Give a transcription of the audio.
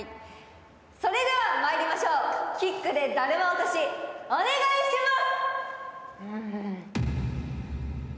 それではまいりましょう、キックＤＥだるま落とし、お願いします。